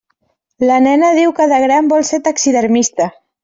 La nena diu que de gran vol ser taxidermista.